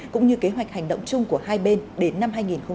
cũng như kế hoạch hành động chung của hai bên đến năm hai nghìn hai mươi